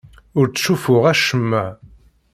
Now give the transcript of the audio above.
Ur ttcuffuɣ acemma.